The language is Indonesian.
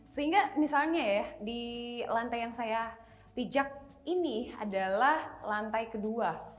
sehingga misalnya ya di lantai yang saya pijak ini adalah lantai kedua